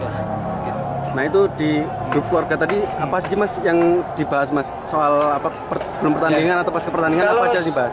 nah itu di grup keluarga tadi apa sih mas yang dibahas mas soal sebelum pertandingan atau pas ke pertandingan apa aja sih bahas